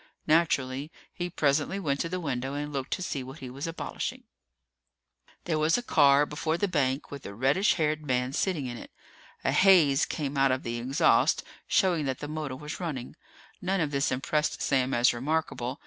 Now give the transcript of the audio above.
Naturally, he presently went to the window and looked to see what he was abolishing. There was a car before the bank with a reddish haired man sitting in it. A haze came out of the exhaust, showing that the motor was running. None of this impressed Sam as remarkable.